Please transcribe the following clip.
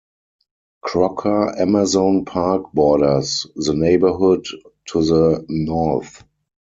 Crocker-Amazon Park borders the neighborhood to the north.